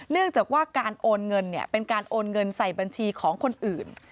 เนื่องจากว่าการโอนเงินเป็นการโอนเงินใส่บัญชีของคนอื่น